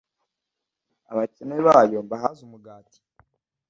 abakene bayo mbahaze umugati